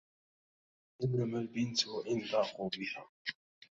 إنما البنت وإن ضاقوا بها